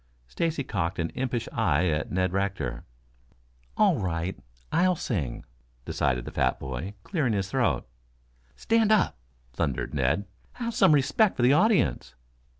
Stacy cocked an impish eye at Ned Rector. "All right, I'll sing," decided the fat boy, clearing his throat. "Stand up," thundered Ned. "Have some respect for the audience."